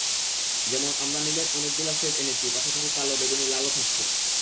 যেমন আমরা নীলের অনেকগুলো শেড এনেছি, পাশাপাশি কালো, বেগুনি, লালও থাকছে।